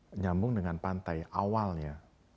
menyambung dengan pantai awalnya